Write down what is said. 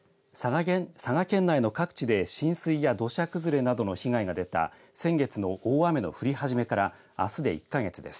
佐賀県内の各地で浸水や土砂崩れなどの被害が出た先月の大雨の降り始めからあすで１か月です。